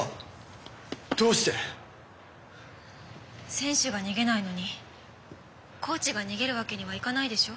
選手が逃げないのにコーチが逃げるわけにはいかないでしょ？